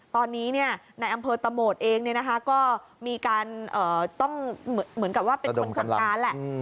ตอนนี้เนี่ยในอำเภอตะโมดเองเนี่ยนะคะก็มีการต้องเหมือนกับว่าเป็นคนขนการแหละ